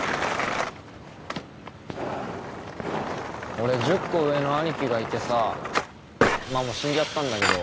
俺１０個上の兄貴がいてさまっもう死んじゃったんだけど。